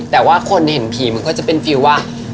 แต่ว่าคนเห็นผีมันก็จะเป็นฟิลว่า